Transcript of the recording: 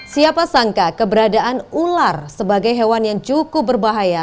siapa sangka keberadaan ular sebagai hewan yang cukup berbahaya